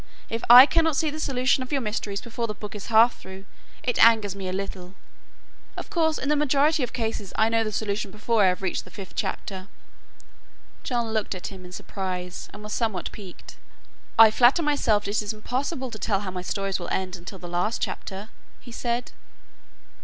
If I cannot see the solution of your mysteries before the book is half through, it angers me a little. Of course in the majority of cases I know the solution before I have reached the fifth chapter." John looked at him in surprise and was somewhat piqued. "I flatter myself it is impossible to tell how my stories will end until the last chapter," he said.